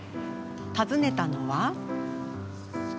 訪ねたのは。